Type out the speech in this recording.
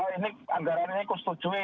ini anggaran ini ku setujui